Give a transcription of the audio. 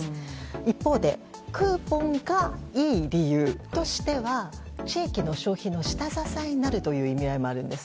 一方でクーポンがいい理由としては地域の消費の下支えになるという意味合いもあります。